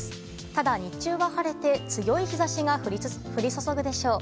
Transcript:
ただ、日中は晴れて強い日差しが降り注ぐでしょう。